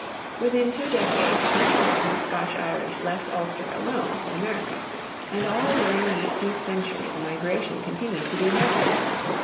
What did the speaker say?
Within two decades twenty thousand Scotch Irish left Ulster alone, for America; and all during the eighteenth century the migration continued to be heavy.